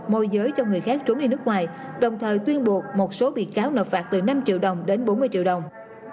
môi giới cho người khác trốn đi nước ngoài đồng thời tuyên buộc một số bị cáo nợ phạt từ năm triệu đồng đến bốn mươi triệu đồng